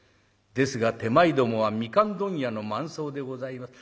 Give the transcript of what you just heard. ですが手前どもは蜜柑問屋の万惣でございます。